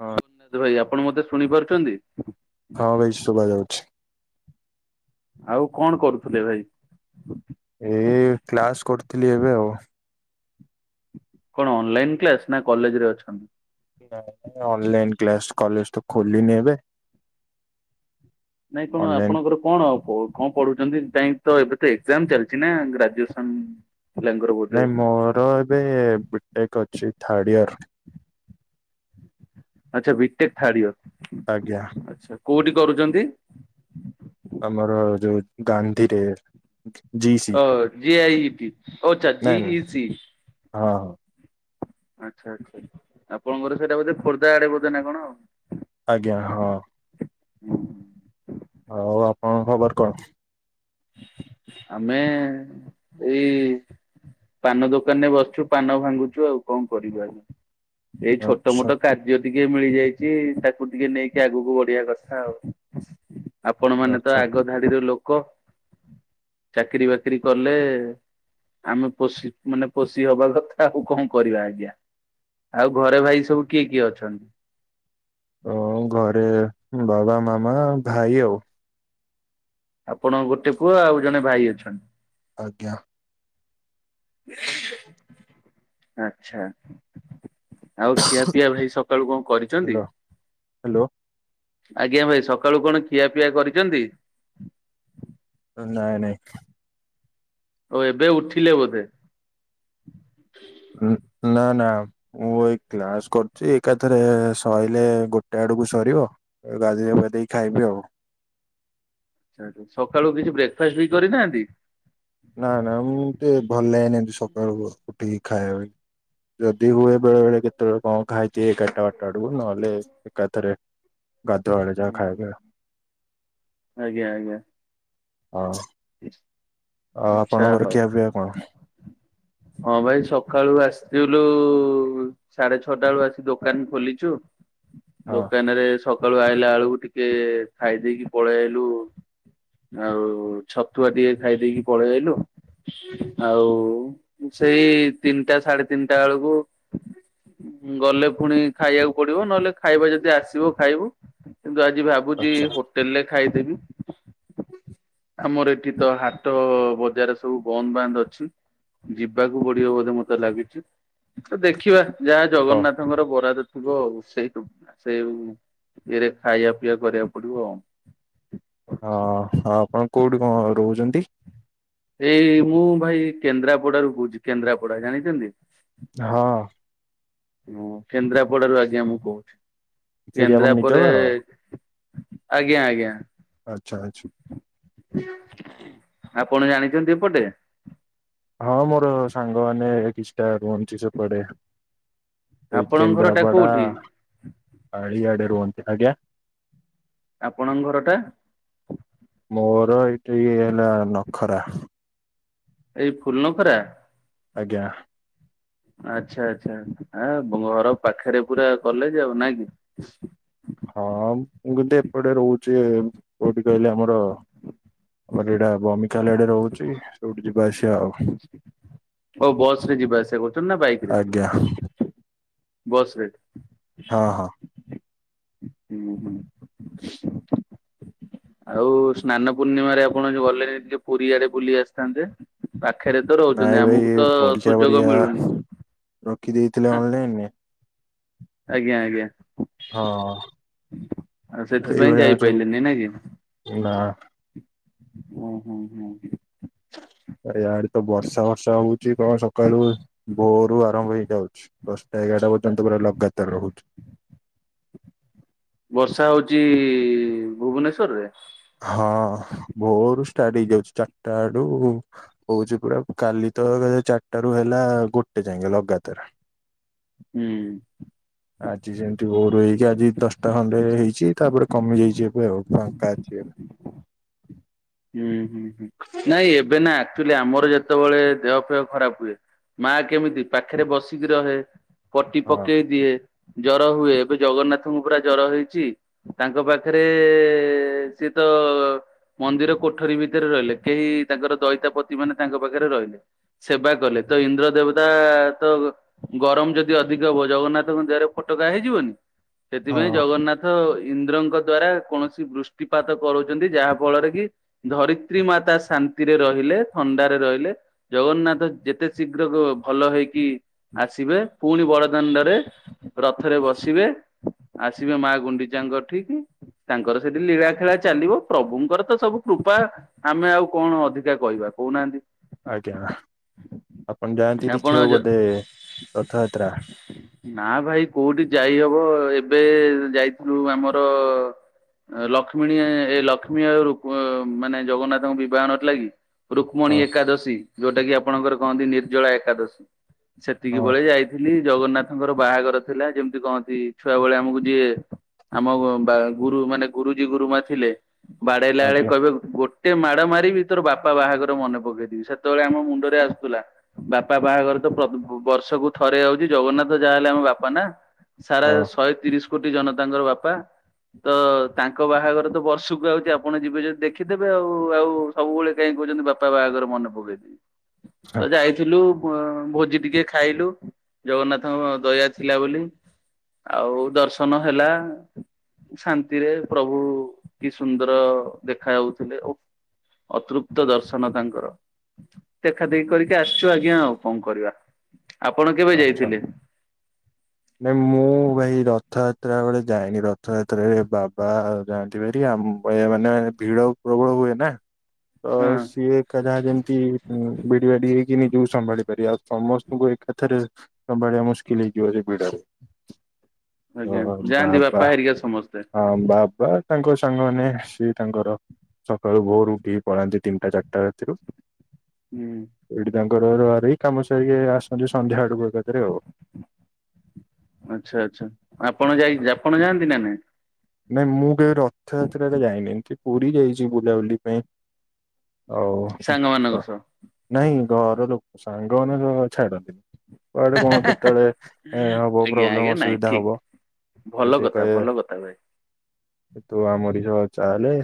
ହଁ ଜଗନ୍ନାଥ ଭାଇ ଆପଣ ମତେ ଶୁଣି ପାରୁଛନ୍ତି? ହଁ ଭାଇ ଶୁଭା ଯାଉଛି। ଆଉ କଣ କରୁଥିଲେ ଭାଇ? ଏ କ୍ଲାସ କରୁଥିଲି ଏବେ ଆଉ। କଣ ଅନଲାଇନ କ୍ଲାସ ନା କଲେଜ ରେ ଅଛନ୍ତି? ନାଇ ନାଇ ଅନଲାଇନ କ୍ଲାସ କଲେଜ ତ ଖୋଲିନି ଏବେ। ନାଇଁ କଣ ଅନଲାଇନ ଆପଣଙ୍କର କଣ ଆଉ ପ କଣ ପଢୁଛନ୍ତି କାଇଁ ତ ଏବେ ତ ଏକ୍ଜାମ ଚାଲିଚି ନା ଗ୍ରାଜୁଏସନ୍। ନାଇଁ ମୋର ଏବେ ବି ଟେକ ଅଛି ଥାର୍ଡ ଇୟର। ଆଚ୍ଛା ବି ଟେକ ଥାର୍ଡ ଇୟର। ଆଜ୍ଞା। ଆଚ୍ଛା କୋଉଠି କରୁଛନ୍ତି? ଆମର ଯେଉ ଗାନ୍ଧୀରେ। ଜି ସି ଓହୋ ଜି ଆଇ ଇ ଟି ଓ ଆଚ୍ଛା ଜି ନାଇଁ ନାଇଁ ଇ ସି। ହଁ ହଁ। ଆଚ୍ଛା ଆଚ୍ଛା ଆପଣଙ୍କର ସେଇଟା ବୋଧେ ଖୋର୍ଦ୍ଧା ଆଡେ ବୋଧେ ନା କଣ ଆଉ? ଆଜ୍ଞା ହଁ। ହୁଁ। ଆଉ ଆପଣଙ୍କ ଖବର କଣ? ଆମେ ଏଇ। ପାନ ଦୋକାନ ରେ ବସିଛୁ ପାନ ଭାଙ୍ଗୁଛୁ ଆଉ କଣ କରିବୁ ଆଜ୍ଞା। ଏଇ ଛୋଟ ଆଚ୍ଛା ମୋଟ କାର୍ଯ୍ୟ ଟିକେ ମିଳିଯାଇଛି ତାକୁ ଟିକେ ନେଇକି ଆଗକୁ ବଢିଆ କଥା ଆଉ। ଆପଣ ମାନେ ତ ଆଚ୍ଛା ଆଗ ଧାଡିର ଲୋକ ଚାକିରି ବାକିରି କଲେ। ଆମେ ପୋଷି ମାନେ ପୋଷି ହବା କଥା ଆଉ କଣ କରିବା ଆଜ୍ଞା। ଆଉ ଘରେ ଭାଇ ସବୁ କିଏ କିଏ ଅଛନ୍ତି? ଓ ଘରେ ବାବା, ମାମା ଆଉ ଭାଇ ଆଉ। ଆପଣଙ୍କ ଗୋଟେ ପୁଅ ଆଉ ଜଣେ ଭାଇ ଅଛନ୍ତି। ଆଜ୍ଞା। ଆଚ୍ଛା। ଆଉ ଖିଆ ପିଆ ଭାଇ ସକାଳୁ କଁ କରିଚନ୍ତି? ହ୍ୟାଲୋ ହ୍ୟାଲୋ ଆଜ୍ଞା ଭାଇ ସକାଳୁ କଣ ଖିଆ ପିଆ କରିଛନ୍ତି? ନାଇଁ ନାଇଁ। ଓ ଏବେ ଉଠିଲେ ବୋଧେ? ନା ନା ମୁଁ ଏଇ କ୍ଲାସ କରୁଛି ଏକାଥରେ ସଇଲେ ଗୋଟେ ଆଡକୁ ସରିବ ଗାଧେଇ ପାଧେଇ ଖାଇବି ଆଉ। ଆଚ୍ଛା ସକାଳୁ କିଛି ବ୍ରେକଫାଷ୍ଟ ବି କରିନାହାନ୍ତି? ନା ନା ମୁଁ ଟିକେ ଭଲ ଲାଗେନି ଏମିତି ସକାଳୁ ଉଠିକି ଖାଇବି ଯଦି ହୁଏ ବେଳେ ବେଳେ କେତେବେଳେ। କଁ ଖାଇଥିବି ଏଗାରଟା ବାରଟା ଆଡକୁ ନହେଲେ ଏକାଥରେ ଗାଧୁଆବେଳେ ଯାହା ଖାଇବି ଆଉ ଆଜ୍ଞା ଆଜ୍ଞା ଅଁ। ଆଚ୍ଛା ଖିଆ ପିଆ କଣ? ହଁ ଭାଇ ସକାଳୁ ଆସଥିଲୁ। ଉ ସାଢେ ଛଅଟା ବେଳୁ ଆସି ଦୋକାନ ଖୋଲିଛୁ ହଁ ଦୋକାନେରେ ସକାଳୁ ଆଇଲା ବେଳୁକୁ ଟିକେ ଖାଇ ଦେଇକି ପଳେଇ ଆଇଲୁ ଆଉ ଛତୁଆ ଟିକେ ଖାଇ ଦେଇକି ପଳେଇ ଆଇଲୁ। ଆଉ ସେଇ ତିନଟା ସାଢେ ତିନଟା ବେଳକୁ। ଗଲେ ପୁଣି ଖାଇବାକୁ ପଡିବ ନହେଲେ ଖାଇବା ଯଦି ଆସିବ ଖାଇବୁ। କିନ୍ତୁ ଆଜି ଭାବୁଚି ଆଚ୍ଛା ହୋଟେଲ ରେ ଖାଇଦେବି। ଆମର ଏଠି ତ ହାଟ ବଜାର ସବୁ ବନ୍ଦ ବାନ୍ଦ ଅଛି। ଯିବାକୁ ପଡିବ ବୋଧେ ମତେ ଲାଗିଛି, ତ ଦେଖିବା ଯାହା ଓ ଜଗନ୍ନାଥଙ୍କର ବରାଦ। ଥିବ ଆଉ ସେଇଠୁ ସେଇ ଇଏରେ ଖାଇଆ ପିଇଆ କରିବାକୁ ପଡିବ ଆଉ। ହଁ ହଁ ଆପଣ କୋଉଠି କଣ ରହୁଛନ୍ତି? ଏଇ ମୁଁ ଭାଇ କେନ୍ଦ୍ରାପଡାରୁ କହୁଚି କେନ୍ଦ୍ରାପଡା ଜାଣିଛନ୍ତି? ହଁ। ହଁ କେନ୍ଦ୍ରାପଡାରୁ ଆଜ୍ଞା ମୁଁ କହୁଛି ସେଇଠି ଆପଣ କେନ୍ଦ୍ରା ନିଜ ପରେ ଘର ଆଜ୍ଞା ଆଜ୍ଞା। ଆଚ୍ଛା ଆଚ୍ଛା। ଆପଣ ଜାଣିଛନ୍ତି ଏପଟେ? ହଁ ମୋର ସାଙ୍ଗମାନେ କିଛିଟା ରହୁଛି ସେପଟେ ଏଇ ଆପଣଙ୍କ ଘର ଟା କେନ୍ଦ୍ରାପଡ଼ା କୋଉଠି? ଆଳି ଆଡେ। ରୁହନ୍ତି, ଆଜ୍ଞା। ଆପଣଙ୍କ ଘର ଟା ମୋର ଏଇଠି କି ନାନ। ଖରା। ଏଇ ଫୁଲ୍ ନଖରା। ଆଜ୍ଞା। ଆଚ୍ଛା ଆଚ୍ଛା ଆ ଘର ପାଖରେ ପୁରା କଲେଜ ଆଉ ନାଇଁ କି? ହଁ ମୁଁ କିନ୍ତୁ ଏପଟେ ରହୁଛି କୋଉଠି କହିଲେ ଆମର କହିଲି ଏଇଟା ବମିିକାଲ ଆଡେ ରହୁଚି ସେଉଠୁ ଯିବା ଆସି ଅଉ ବସ ରେ ଯିବା ଆସିବା କରୁଛନ୍ତି ନା ଆଜ୍ଞା ବାଇକରେ? ବସ୍ ରେ। ହଁ ହଁ। ହୁଁ ହୁଁ। ଆଉ ସ୍ନାନ ପୂର୍ଣ୍ଣିମାରେ ଆପଣ ଯୋଉ ଗଲେ ଟିକେ ପୁରୀ ଆଡେ ବୁଲି ଆସିଥାନ୍ତେ [unintelligible] ପାଖେରେ ତ ରହୁଛନ୍ତି ନାଇଁ ଭାଇ ଆମକୁ ତ ପରୀକ୍ଷା ସୁଯୋଗ ଫରୀକ୍ଷା ରଖି ଦେଇଥିଲେ ମିଳୁନି। ଅନଲାଇନରେ ଆଜ୍ଞା ଆଜ୍ଞା। ହଁ ଆଉ ସେଥିପାଇଁ ଏଇଭଳିଆ ଯାଇ ସବୁ ପାଇଲେନି ନାଇଁ କି? ନା ଓ ହଁ ହଁ ହଁ। ଇଆଡେ ତ ବର୍ଷା ବର୍ଷା ହଉଛି କଣ ସକାଳୁ ଭୋରୁ ଆରମ୍ଭ ହେଇଯାଉଛି ଦଶଟା ଏଗାରଟା ପର୍ଯ୍ୟନ୍ତ ପୁରା ଲଗାତାର ରହୁଛୁ। ବର୍ଷା ହଉଚି ଭୁବନେଶ୍ଵର ରେ? ହଁ ଭୋରୁ ଷ୍ଟାର୍ଟ ହେଇଯାଉଚି ଚାରଟା ଆଡୁ ହଉଛି ପୁରା କାଲି ତ ଚାରିଟା ରୁ ହେଲା ଗୋଟେ ଯାଇ ଲଗାତାର। ହୁଁ। ରହିକି ଆଜି ଦଶଟା ଖଣ୍ଡେ ହେଇଛି ତାପରେ କମି ଯାଇଛି ଏବେ ଆଉ ଫାଙ୍କା ଅଛି ଏବେ। [inaudible] ହୁଁ ହୁଁ ହୁଁ ନାଇଁ ଏବେ ନା ଆକଚୁଆଲି ଆମର ଯେତେବେଳେ ଦେହ ଫେହ ଖରାପ ହୁଏ। ମା କେମିତି ପାଖରେ ବସିକି ରହେ ପଟି ହଁ ପକେଇ ଦିଏ। ଜର ହୁଏ ଏବେ ଜଗନ୍ନାଥଙ୍କ ପୁରା ଜର ହେଇଛି ତାଙ୍କ ପାଖରେ ସିଏ ତ ମନ୍ଦିର। କୋଠରୀ ଭିତରେ ରହିଲେ କେହି ତାଙ୍କର ଦଇତାପତି ମାନେ ତାଙ୍କ ପାଖରେ ରହିଲେ ସେବା କଲେ ତ ଇନ୍ଦ୍ରଦେବ। ଦେବତା ତ ଗରମ ଯଦି ଅଧିକ ହବ ଜଗନ୍ନାଥଙ୍କ ଦେହରେ ଫୋଟକା ହେଇଯିବନି। ସେଥିପାଇଁ ହଁ ଜଗନ୍ନାଥ। ଇନ୍ଦ୍ରଙ୍କ ଦ୍ଵାରା କୌଣସି ବୃଷ୍ଟିପାତ କରୁଛନ୍ତି ଯାହା ଫଳରେ କି ଧରିତ୍ରୀ ମାତା ଶାନ୍ତିରେ ରହିଲେ ଥଣ୍ଡାରେ ରହିଲେ ଜଗନ୍ନାଥ ଯେତେ ଶୀଘ୍ର ଭଲ ହେଇକି ଆସିବେ ପୁଣି ବଡଦାଣ୍ଡରେ ରଥରେ ବସିବେ। ଆସିବେ ମା ଗୁଣ୍ଡିଚାଙ୍କର ଠି ତାଙ୍କର ସେଠି ଲୀଳାଖେଳା ଚାଲିବ ପ୍ରଭୁଙ୍କର ତ ସବୁ କୃପା ଆମେ ଆଉ କଣ ଅଧିକା କହିବା କହୁନାହାନ୍ତି। ଆଜ୍ଞା ଆପଣ ଯାଆନ୍ତି ଦେଖିବାକୁ ଆପଣ ଗୋଧେ ରଥଯାତ୍ରା। ନା ଭାଇ କୋଉଠି ଯାଇହବ ଏବେ ଯାଇଥିଲୁ ଆମର ଲକ୍ଷ୍ମୀଣୀ ଏ ଲକ୍ଷ୍ମୀ ରୂ ମାନେ ଜଗନ୍ନାଥଙ୍କ ବିବାହ ନ ଲାଗି ରୁକ୍ମଣୀ ହଁ ଏକାଦଶୀ। ଯୋଉଟା କି ଆପଣଙ୍କର କହନ୍ତି ନିର୍ଜଳା ଏକାଦଶୀ ସେତିକି ହଁ ବେଳେ ଯାଇଥିଲି। ଜଗନ୍ନାଥଙ୍କର ବାହାଘର ଥିଲା ଯେମିତି କହନ୍ତି ଛୁଆ ଭଳିଆ ଆମକୁ ଯିଏ। ଆମ ବା ଗୁରୁ ମାନେ ଗୁରୁଜୀ ଗୁରୁମା ଥିଲେ ବାଡେଇଲା ବେଳେ ଆଜ୍ଞା କହିବେ ଗୋଟ ଗୋଟେ ମାଡ ମାର ବିି ତୋର ବାପା ବାହାଘର ମନେ ପକେଇଦବି ସେତେବେଳେ ଆମ ମୁଣ୍ଡରେ ଆସୁଥିଲା ବାପା ବାହାଘର ବର୍ଷକୁ ଥରେ ଯାଉଛି ଜଗନ୍ନାଥ ଯାହାହଲେ ଆମ ବାପା ନା ସାରା ହଁ ଶହେ ତିରିଶ। କୋଟି ଜନ ତାଙ୍କର ବାପା ତ ତାଙ୍କ ବାହାଘର ତ ବର୍ଷକୁ ଆଉଛି। ଆପଣ ଯିବେ ଯଦି ଦେଖିଦେବେ ଆଉ ଆଉ ସବୁବେଳେ କାଇହିଁ କହୁଛନ୍ତି ବାପା ବାହାଘର ମନେ ପକେଇଦବି। ତ ହଁ, ଯାଇଥିଲୁ। ଭୋଜି ଟିକେ ଖାଇଲୁ ଜଗନ୍ନାଥଙ୍କ ଦୟା ଥିଲା ବୋଲି। ଆଉ ଦର୍ଶନ ହେଲା ଶାନ୍ତିରେ ପ୍ରଭୁ କି ସୁ ଠାକୁର ଦେଖା ଯାଉଥିଲେ ଆଉ ଅତୃପ୍ତ ଦର୍ଶନ ତାଙ୍କର। ଦେଖା ଦେଖି କରିକି ଆସିଛୁ ଆଜ୍ଞା ଆଉ କଣ କରିବା ଆପଣ କେବେ ଯାଇଥିଲେ? ନାଇ ମୁଁ ଭାଇ ରଥ ଏରା କୁଆଡେ ଯାଇନି ରଥ ଯାତ୍ରା ବେଳେ ଯାଇନି ରଥଯାତ୍ରାରେ ବାବା ଆ ଜାଣିନ୍ତିିବାରି ଆମ ଏ ମାନେ ଭିଡ ପ୍ରବଳ। ହୁଏ ନା ତ ହଁ ସିଏ ଏକା ଯାହା ଯେମତି ବିଡି ବାଡି ନିଜକୁ ସମ୍ଭାଳି ପାରିବା ଆଉ ସମସ୍ତଙ୍କୁ ଏକାଥରେ ସମ୍ଭାଳିବା ମୁସ୍କିଲ ହେଇଯିବ ଯେ ଡ଼ରେ ଆଜ୍ଞା ଓହୋ ଯାଆନ୍ତି ବାପା ବାବା ହେରିକା ସମସ୍ତେ। ହଁ ବାବା। ତାଙ୍କ ସାଙ୍ଗମାନେ ଆସିବା ତାଙ୍କର ସକାଳୁ ଭୋର ଉଠିକି ପଳାନ୍ତି ତିନିଟା ଚାରିଟା ରାତିରୁ। ହୁଁ। ଘରରୁ କାମ ସିରିକି ଆସନ୍ତି ସନ୍ଧ୍ୟା ଆଡକୁ ଏକାଥରେ ଆଉ। ଆଚ୍ଛା ଆଚ୍ଛା ଆପଣ ଯାଇ ଆପଣ ଯାଆନ୍ତି ନା ନାଇଁ। ନାଇଁ ମୁଁ କେବେ ରଥଯାତ୍ରା ରେ ଯାଇନି ଏମିତି ପୁରୀ ଯାଇଛି ବୁଲାବୁଲି ପାଇଁ। ହୋଉ ସାଙ୍ଗମାନଙ୍କ ସହ? ନାଇଁ ଘର ଲୋକ ସାଙ୍ଗମାନେ ଛାଡନ୍ତିନି। କଆଡେ କଣ କେତେବେଳେ ହବ ଆଜ୍ଞା ଆଜ୍ଞା ପ୍ରୋବ୍ଲେମ ନାଇଁ ଅସୁବିଧା ଠିକ ହବ। ଭଲ ସେ କଥା କହିବେ ଭଲ କଥା ଭାଇ। ତୁ ଆମରି ସହ ଚାହଲେ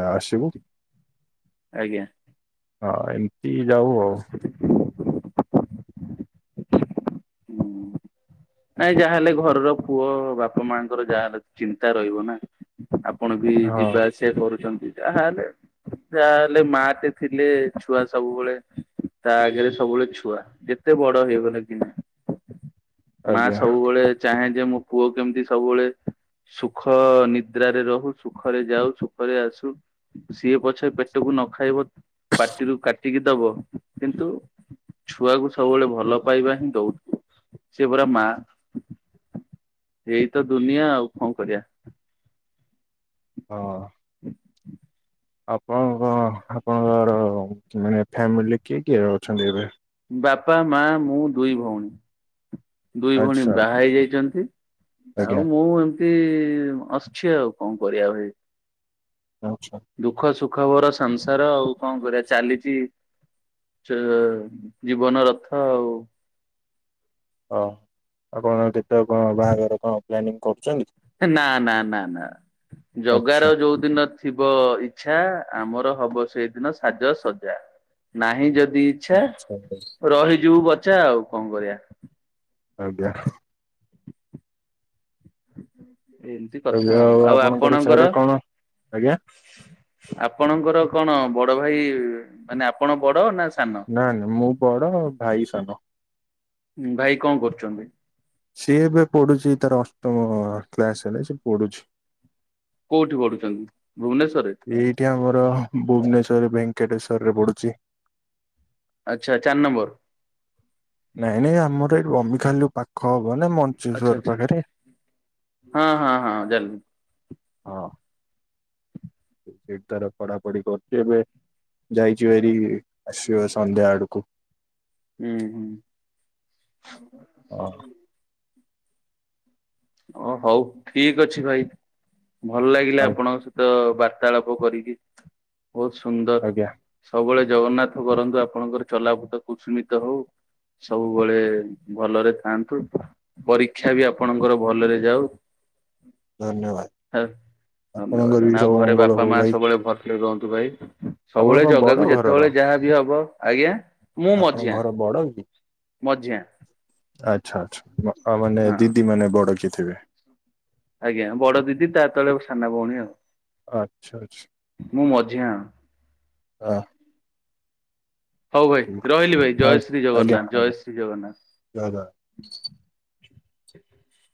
ଆସିବୁ। ଆଜ୍ଞା। ହଁ ଏମିତି ଯାଉ ଆଉ ହୁଁ। ନାଇଁ ଯାହାହେଲେ ଘରର ପୁଅ ବାପା ମାଆଙ୍କର ଯାହା ହେଲେ ଚିନ୍ତା ରହିବ ନା ଆପଣ ବି ହଁ। ଯିବା ଆସିବା କରୁଛନ୍ତି ହେଲେ ଯାହେଲେ ମାଟେ ଥିଲେ ଛୁଆ ସବୁବେଳେ ତା ଆଗରେ ସବୁବେଳେ ଛୁଆ ଯେତେ ବଡ ହେଇଗଲା କି ନା? ମା ଆଜ୍ଞା ସବୁବେଳେ ଚାହେଁ ଯେ ମୋ ପୁଅ କେମିତି ସବୁବେଳେ ସୁଖ ନିଦ୍ରାରେ ରହୁ ସୁଖରେ ଯାଉ ସୁଖରେ ଆସୁ ସିଏ ପଛ ପେଟକୁ ନ ଖାଇବ ପାଟିରୁ କାଟିକି ଦବ କିନ୍ତୁ ଛୁଆକୁ ସବୁବେଳେ ଭଲ ପାଇବା ହିଁ ଦଉଛୁ ସେ ପରା ମା ଏଇ ତ ଦୁନିଆ ଆଉ କଣ କରିବାଆ। ହଁ। ଆପଣଙ୍କ ଆପଣଙ୍କର ମାନେ ଫ୍ୟାମିଲି କିଏ କିଏ ଅଛନ୍ତି ଏବେ? ବାପା ମା ମୁଁ ଦୁଇ ଭଉଣୀ ଦୁଇ ଭଉଣୀ ଆଚ୍ଛା ବାହା ହେଇ ଯାଇଛନ୍ତି। ଆଜ୍ଞା ଆଉ ମୁଁ ଏମିତି ଆସଛି ଆଉ କଣ କରିବା ଭାଈ। ଆଚ୍ଛା। ଦୁଃଖ ସୁଖବର ସଂସାର ଆଉ କଣ କରିବା ଚାଲିଛି। ଜୀବନ ରଥ ଆଉ। ହଁ ଆପଣ କେତେ କଣ ବାହାଘର କଣ ପ୍ଲାନିଂ କରୁଛନ୍ତି। ନା ନା ନା ନା ଜଗାର ଆଚ୍ଛା ଯୋଉ ଦିନ ଥିବ ଇଚ୍ଛା ଆମର ହବ ସେଇଦିନ ସାଜ ସଜା ନାହିଁ ଯଦି ଇଚ୍ଛା ଆଚ୍ଛା। ରହିଯିବୁ ବଚା ଆଉ କଣ କରିବା। ଆଜ୍ଞା। ଏମିତି କଥା ଏବେ ହଉ ଆଉ ଆପଣଙ୍କର? ସିଆଡେ କଣ ଆଜ୍ଞା ଆପଣଙ୍କର କଣ ବଡ ଭାଇ ମାନେ ଆପଣ ବଡ ନା ସାନ ନା ନା ମୁଁ ବଡ ଭାଇ ସାନ। ହଁ ଭାଇ କଣ କରୁଛନ୍ତି? ସିଏ ଏବେ ପଢୁଛି ତାର ଅଷ୍ଟମ କ୍ଲାସ ହେଲେ ସେ ପଢୁଛି। କୋଉଠି ପଢୁଛନ୍ତି? ଭୁବନେଶ୍ଵରରେ ଏଇଠି ଆମର ଭୁବନେଶ୍ୱର ଭେଙ୍କଟେଶ୍ବର ର ରେ ପଢୁଛି। ଆଚ୍ଛା ଚାରି ନମ୍ବର। ନାଇଁ ନାଇଁ ଆମର ଏଇଠି ବବିଖାଲୁ ପାଖ ହବ ନା ଆଚ୍ଛା ମଞ୍ଚେଶ୍ଵର ଆଚ୍ଛା ପାଖରେ ହଁ ହଁ ହଁ ଜାଣିଲି। ସେଠି ତାର ପଢାପଢ କରୁଛି ଏବେ ଯାଇଚି ହେରି ଆସିବ ସନ୍ଧ୍ୟା ଆଡ଼କୁ। ହୁଁ ହୁଁ। ହଁ ଓ ହଉ ଠିକ ଅଛି ଭାଇ ଭଲ ଲାଗିଲା ଆ ଆପଣଙ୍କ ସହିତ ବାର୍ତାଳାପ କରିକି ବହୁତ ସୁନ୍ଦର ଆଜ୍ଞା ସବୁବେଳେ ଜଗନ୍ନାଥ କରନ୍ତୁ ଆପଣଙ୍କର ଚଲା ପଥ କୁସୁମିତ ହଉ। ସବୁବେଳେ ଭଲରେ ଥାଆନ୍ତୁ ପରୀକ୍ଷା ବି ଆପଣଙ୍କର ଭଲରେ ଯାଉ ଧନ୍ୟବାଦ ଆପଣଙ୍କର ବି ଧନ୍ୟବାଦ ଆଉ ସବୁ ଘରେ ମଙ୍ଗଳ ବାପା ହଉ ମା ଭାଇ। ସବୁବେଳେ ଭଲ କୁହନ୍ତୁ ଭାଇ ଆପଣ ସବୁବେଳେ କଣ ବଡ ଜଗାକୁ ଘରର? ଯେତେବେଳେ ଯାହା ବି ହବ ଆଜ୍ଞା। ମୁଁ ଆପଣଙ୍କ ମଝିଆ ଘର ବଡ କି? ମଝିଆ। ଆଚ୍ଛା ଆଚ୍ଛା ମାନେ ହଁ ଦିଦି ମାନେ ବଡ କି ଥିବେ? ଆଜ୍ଞା ବଡ ଦିଦି ତା ତଳେ ସାନା ଭଉଣୀ ଆଉ। ଆଚ୍ଛା ଆଚ୍ଛା। ମୁଁ ମଝିଆ। [inaudible] ହଉ ଭାଇ ଠିକ ରହିଲି ଭାଇ ଜୟ ଶ୍ରୀ ଆଜ୍ଞା ଜଗନ୍ନାଥ ଜୟ ଆଜ୍ଞା ଶ୍ରୀ ଜଗନ୍ନାଥ। [inaudible]